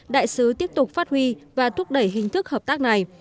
đại sứ tiếp tục phát huy và thúc đẩy hình thức hợp tác này